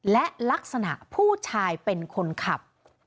และลักษณะผู้ชายเป็นคนขับ